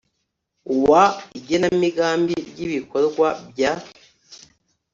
W igenamigambi ry ibikorwa bya